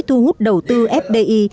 thu hút đầu tư fdi